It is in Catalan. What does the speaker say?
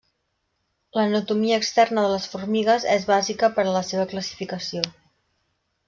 L'anatomia externa de les formigues és bàsica per a la seva classificació.